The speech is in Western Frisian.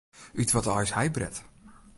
Ut wat aai is hy bret?